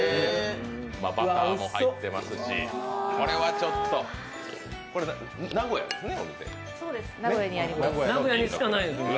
バターも入ってますし、これはちょっと、これは名古屋ですね？